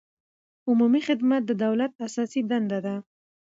عمومي خدمت د دولت اساسي دنده ده.